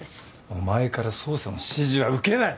お前から捜査の指示は受けない。